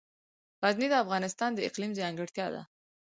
غزني د افغانستان د اقلیم ځانګړتیا ده.